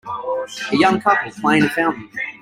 A young couple play in a fountain.